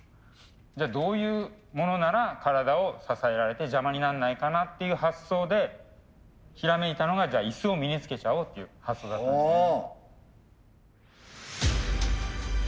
じゃあどういうモノなら体を支えられて邪魔になんないかなっていう発想でひらめいたのがじゃあ椅子を身につけちゃおうっていう発想だったんですよね。